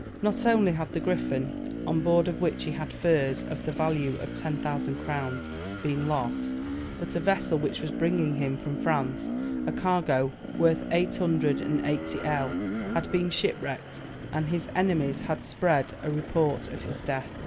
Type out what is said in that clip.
Not only had the Griffon, on board of which he had furs of the value of 10,000 crowns, been lost, but a vessel which was bringing him from France a cargo worth 880_l._ had been shipwrecked, and his enemies had spread a report of his death.